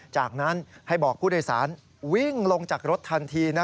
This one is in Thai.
จากนั้นให้บอกผู้โดยสารวิ่งลงจากรถทันทีนะ